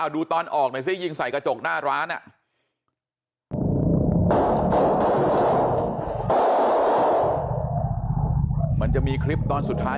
ดูตอนออกหน่อยซิยิงใส่กระจกหน้าร้านมันจะมีคลิปตอนสุดท้าย